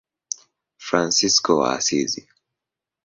Fransisko wa Asizi.